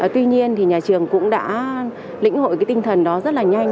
tuy nhiên thì nhà trường cũng đã lĩnh hội cái tinh thần đó rất là nhanh